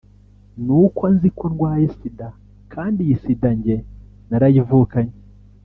ni uko nzi ko ndwaye Sida kandi iyi Sida njye narayivukanye